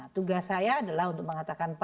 tugas saya adalah untuk mengatakan